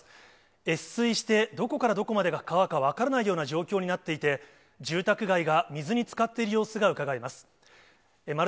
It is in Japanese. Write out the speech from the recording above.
越水してどこからどこまでが川か分からないような状況になっていて、住宅街が水につかっている様子がうかがえます。